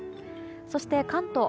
そして関東。